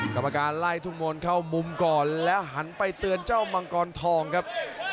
กรรมการไล่ทุ่งมนต์เข้ามุมก่อนแล้วหันไปเตือนเจ้ามังกรทองครับ